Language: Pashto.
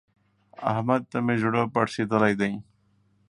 احمد ته مې زړه پړسېدلی دی.